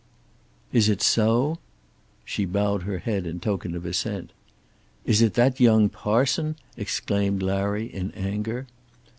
"Is it so?" She bowed her head in token of assent. "Is it that young parson?" exclaimed Larry, in anger.